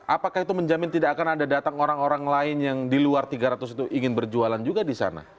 apakah itu menjamin tidak akan ada datang orang orang lain yang di luar tiga ratus itu ingin berjualan juga di sana